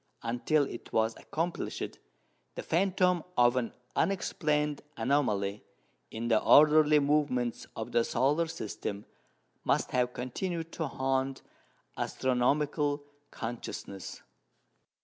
Until it was accomplished, the phantom of an unexplained anomaly in the orderly movements of the solar system must have continued to haunt astronomical consciousness.